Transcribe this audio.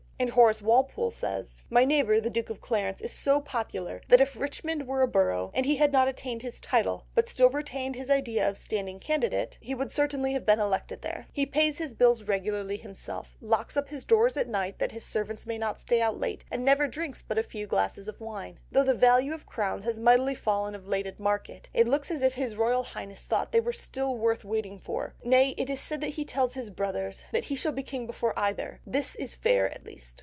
And Horace Walpole says— "My neighbour, the Duke of Clarence, is so popular, that if Richmond were a borough, and he had not attained his title, but still retained his idea of standing candidate, he would certainly be elected there. He pays his bills regularly himself, locks up his doors at night, that his servants may not stay out late, and never drinks but a few glasses of wine. Though the value of crowns is mightily fallen of late at market, it looks as if His Royal Highness thought they were still worth waiting for; nay, it is said that he tells his brothers, that he shall be king before either; this is fair at least."